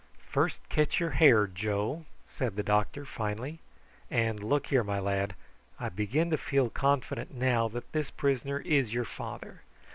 "First catch your hare, Joe!" said the doctor finally. "And look here, my lad; I begin to feel confident now that this prisoner is your father.